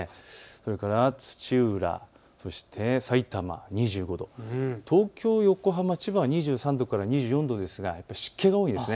それから土浦、さいたま２５度、東京、横浜、千葉は２３度から２４度ですが、湿気が多いんです。